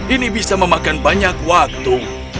ini bisa memakan banyak waktu